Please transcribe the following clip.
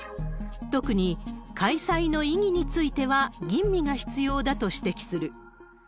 特に開催の意義については吟味が必要だと指摘する。